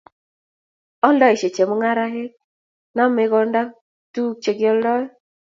Oldoisiet chemungaraek, nome konda tuguk che kioldoi